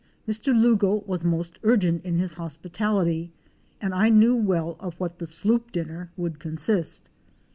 Mr. Lugo was most urgent in his hospitality and I knew well of what the sloop dinner would consist.